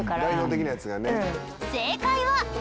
正解は。